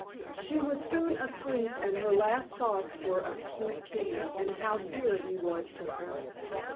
She was soon asleep, and her last thoughts were of Keith Kenyon and how dear he was to her.